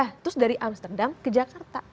lalu dari amsterdam ke jakarta